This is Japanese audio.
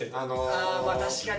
あまあ確かに。